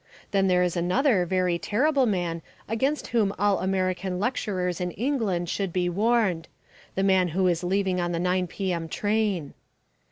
Then there is another very terrible man against whom all American lecturers in England should be warned the man who is leaving on the 9 P.M. train.